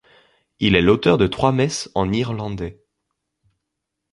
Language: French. Il est l'auteur de trois messes en irlandais.